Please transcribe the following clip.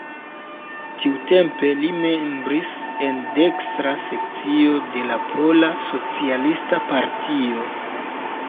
Tiutempe li membris en dekstra sekcio de la pola, socialista partio.